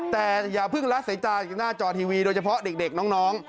แต่อย่าเพิ่งละสายตาจากหน้าจอทีวีโดยเฉพาะเด็กน้อง